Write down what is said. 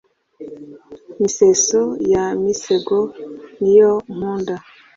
miseso ya misego niyo nkunda